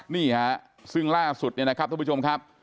นี่ฮะซึ่งล่าสุดเนี่ยนะครับทุกผู้ชมครับ